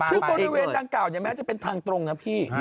ทุบบริเวณด้านกล่าวเนี่ยแม้จะเป็นทางตรงนะพี่